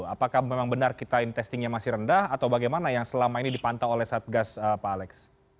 apakah memang benar kita testingnya masih rendah atau bagaimana yang selama ini dipantau oleh satgas pak alex